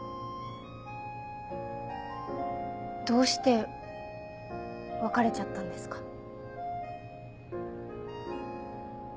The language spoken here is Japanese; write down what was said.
どうして別れちゃったんですか？